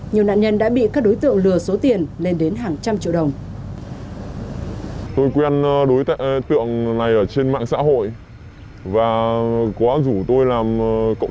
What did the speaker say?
nhiều nạn nhân đã bị các đối tượng lừa số tiền lên đến hàng trăm triệu đồng